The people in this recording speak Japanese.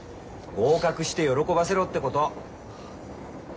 合格して喜ばせろってこと。